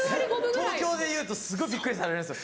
東京で言うとすごいびっくりされるんですよ。